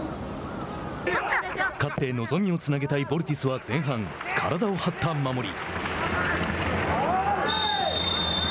勝って望みをつなげたいヴォルティスは前半、体を張った守り。